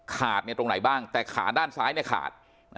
ขาดตรงไหนบ้างแต่ขาด้านซ้ายขาด